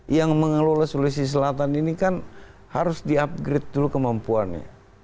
yang mengelola sulawesi selatan ini kan harus di upgrade dulu kemampuannya